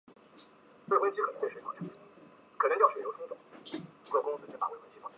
芒特奥利夫是位于美国阿肯色州伊泽德县的一个非建制地区。